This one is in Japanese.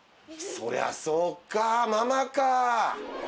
そりゃそうかママかぁ。